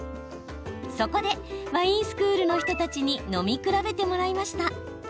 そこでワインスクールの人たちに飲み比べてもらいました。